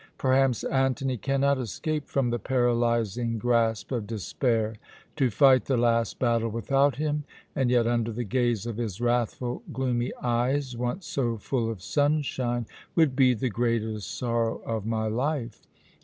Perhaps Antony cannot escape from the paralyzing grasp of despair. To fight the last battle without him, and yet under the gaze of his wrathful, gloomy eyes, once so full of sunshine, would be the greatest sorrow of my life.